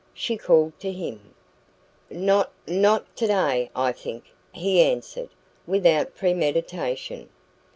she called to him. "Not not today, I think," he answered, without premeditation.